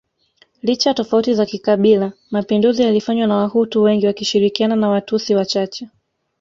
licha ya tofauti za kikabila mapinduzi yalifanywa na Wahutu wengi wakishirikiana na Watutsi wachache